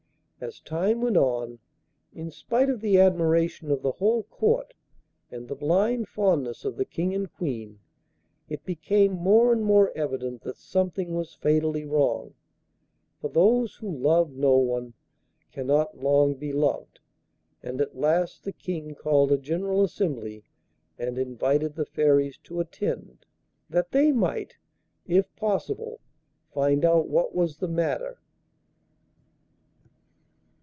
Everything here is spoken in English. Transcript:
As time went on, in spite of the admiration of the whole Court and the blind fondness of the King and Queen, it became more and more evident that something was fatally wrong: for those who love no one cannot long be loved; and at last the King called a general assembly, and invited the Fairies to attend, that they might, if possible, find out what was the matter.